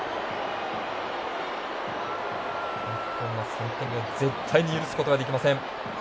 日本は３点目を絶対に許すことはできません。